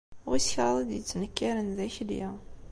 Wis kraḍ i d-yettnekkaren d Akli.